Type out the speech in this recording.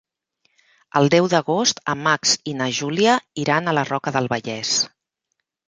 El deu d'agost en Max i na Júlia iran a la Roca del Vallès.